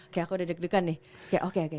kayak aku udah deg degan nih ya oke oke